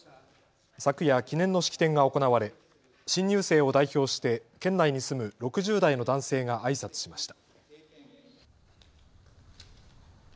昨夜、記念の式典が行われ新入生を代表して県内に住む６０代の男性があいさつしました。